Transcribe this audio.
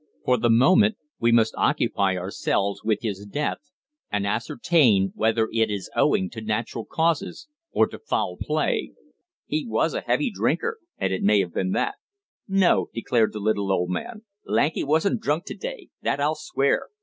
For the moment we must occupy ourselves with his death, and ascertain whether it is owing to natural causes or to foul play. He was a heavy drinker, and it may have been that." "No," declared the little old man, "Lanky wasn't drunk to day that I'll swear.